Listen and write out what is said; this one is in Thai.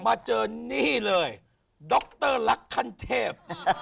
มาเจอนี่เลยดรลักษณ์คันเทพ